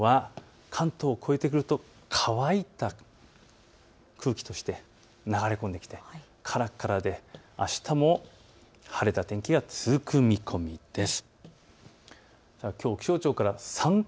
山が周辺にあるために雲は関東を超えてくると乾いた空気として流れ込んできてからからであしたも晴れた天気が続く見込みです。